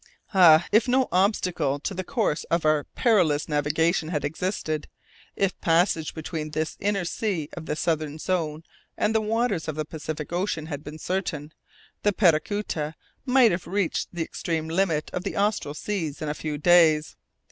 Ah! if no obstacle to the course of our perilous navigation had existed, if passage between this inner sea of the southern zone and the waters of the Pacific Ocean had been certain, the Paracuta might have reached the extreme limit of the austral seas in a few days.